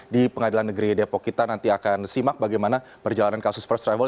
di pengadilan negeri depok kita nanti akan simak bagaimana perjalanan kasus first travel